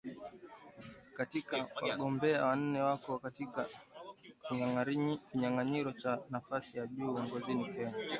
Wakati wagombea wanne wako katika kinyang’anyiro cha nafasi ya juu ya uongozi Kenya